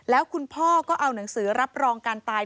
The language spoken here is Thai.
แล้วคุณพ่อก็เอาหนังสือรับรองการตาย